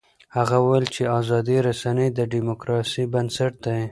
هغه وویل چې ازادې رسنۍ د ډیموکراسۍ بنسټ دی.